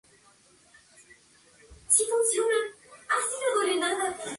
Aquellos que son físicamente más fuertes pueden alternar la posición entre escolta y alero.